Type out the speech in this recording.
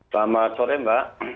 selamat sore mbak